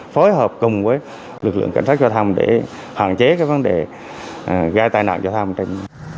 phối hợp cùng với lực lượng cảnh sát giao thông để hoàn chế vấn đề gai tai nạn giao thông